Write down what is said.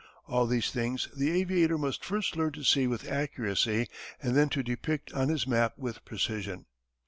All these things the aviator must first learn to see with accuracy, and then to depict on his map with precision.